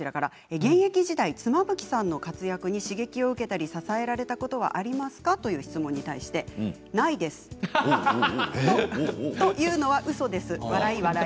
現役時代妻夫木さんの活躍に刺激を受けたり支えられたことはありますか？という質問に対しては「ないです。というのはうそです。